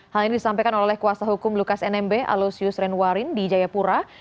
hal ini disampaikan oleh kuasa hukum lukas nmb alosius renwarin di jayapura